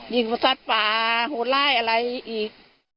ยิงประสัตว์ป่าโหดลายอะไรอีก